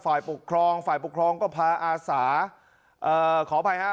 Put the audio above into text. ฝ่ายปกครองฝ่ายปกครองก็พาอาสาเอ่อขออภัยฮะ